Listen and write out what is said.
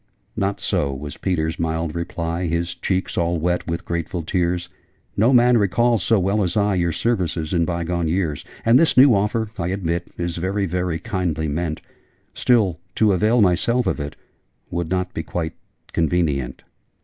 'Not so,' was Peter's mild reply, His cheeks all wet with grateful tears; No man recalls, so well as I, Your services in bygone years: And this new offer, I admit, Is very very kindly meant Still, to avail myself of it Would not be quite convenient!'